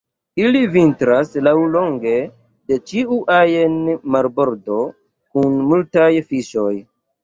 Ili vintras laŭlonge de ĉiu ajn marbordo kun multaj fiŝoj.